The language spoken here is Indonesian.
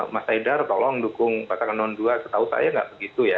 mas haidar tolong dukung pasangan dua setahu saya nggak begitu ya